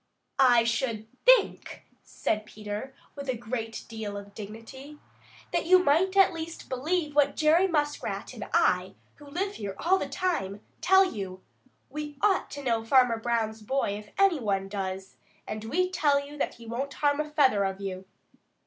"I should think," said Peter with a great deal of dignity, "that you might at least believe what Jerry Muskrat and I, who live here all the time, tell you. We ought to know Farmer Brown's boy if any one does, and we tell you that he won't harm a feather of you."